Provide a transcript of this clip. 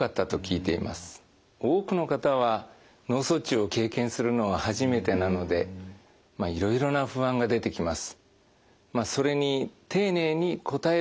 多くの方は脳卒中を経験するのは初めてなのでいろいろな不安が出てきます。